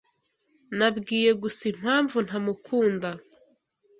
Nabwiye gusa impamvu ntamukunda.